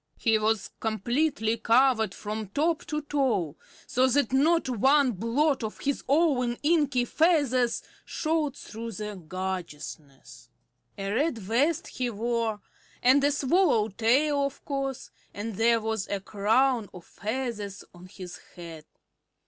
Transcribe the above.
He was completely covered from top to toe, so that not one blot of his own inky feathers showed through the gorgeousness. A red vest he wore, and a swallow tail, of course, and there was a crown of feathers on his head.